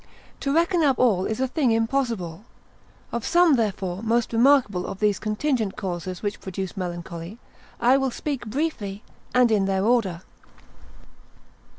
To reckon up all is a thing impossible; of some therefore most remarkable of these contingent causes which produce melancholy, I will briefly speak and in their order.